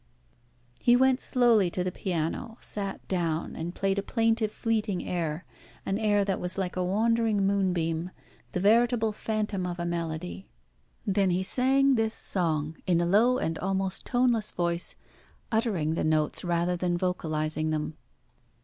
He went slowly to the piano, sat down, and played a plaintive, fleeting air an air that was like a wandering moonbeam, the veritable phantom of a melody. Then he sang this song, in a low and almost toneless voice, uttering the notes rather than vocalising them.